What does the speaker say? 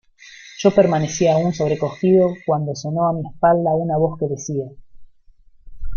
yo permanecía aún sobrecogido cuando sonó a mi espalda una voz que decía: